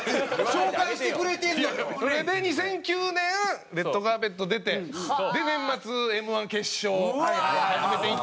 それで２００９年『レッドカーペット』出て年末Ｍ−１決勝初めていって。